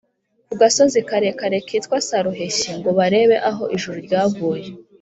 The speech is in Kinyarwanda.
ku gasozi karekare kitwa Saruheshyi ngo barebe aho ijuru ryaguye